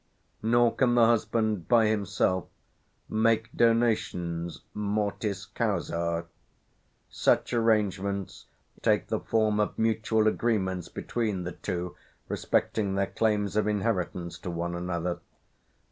Nor can the husband by himself make donations mortis causa; such arrangements take the form of mutual agreements between the two respecting their claims of inheritance to one another" (p.